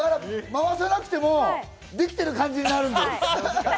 回さなくてもできてる感じになるんだよ。